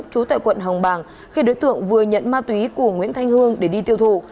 trú tại quận hồng bàng khi đối tượng vừa nhận ma túy của nguyễn thanh hương để đi tiêu thụ